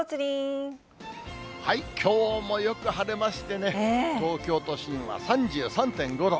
きょうもよく晴れましてね、東京都心は３３．５度。